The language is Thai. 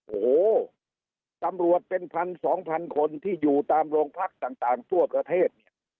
โอ้โหตำรวจเป็นพันสองพันคนที่อยู่ตามโรงพักต่างทั่วประเทศเนี่ย